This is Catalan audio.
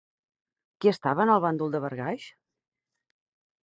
Qui estava en el bàndol de Barghash?